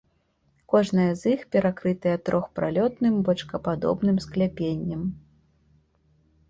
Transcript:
Кожная з іх перакрытая трохпралётным бочкападобным скляпеннем.